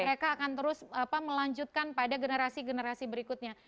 mereka akan terus melanjutkan pada generasi generasi berikutnya